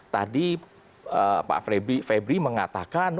tadi pak febri mengatakan